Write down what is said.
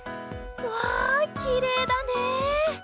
うわきれいだね！